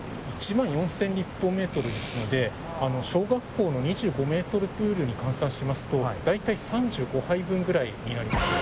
１万４０００立方メートルですので小学校の２５ｍプールに換算しますと大体３５杯分ぐらいになります。